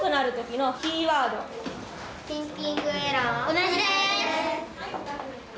同じです！